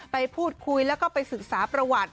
ไปพูดคุยแล้วก็ไปศึกษาประวัติ